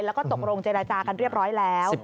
แล้วก็ตกลงเจรจากันเรียบร้อยแล้ว